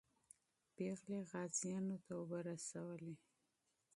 پېغلې غازیانو ته اوبه رسولې.